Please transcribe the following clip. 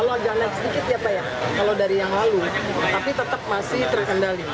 walaupun jalan sedikit ya pak ya kalau dari yang lalu tapi tetap masih terkendali